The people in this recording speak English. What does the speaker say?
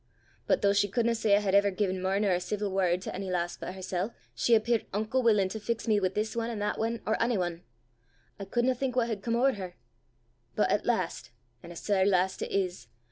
But though she couldna say I had ever gi'en mair nor a ceevil word to ony lass but hersel', she appeart unco wullin' to fix me wi' this ane an' that ane or ony ane! I couldna think what had come ower her! But at last an' a sair last it is!